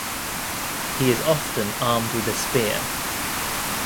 He is often armed with a spear.